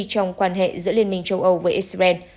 trong quan hệ giữa liên minh châu âu với israel